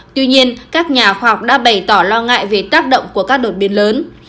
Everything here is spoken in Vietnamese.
tuy nhiên các nhà khoa học đã bày tỏ lo ngại về tác động của các đột biến lớn